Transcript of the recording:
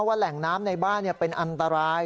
แหล่งน้ำในบ้านเป็นอันตราย